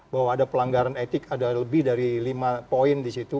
bahwa ada pelanggaran etik ada lebih dari lima poin di situ